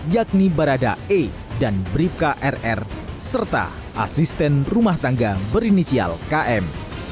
yakni barada e dan bribka rr serta asisten rumah tangga berinisial km